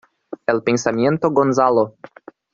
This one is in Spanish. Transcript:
El pensamiento Gonzalo".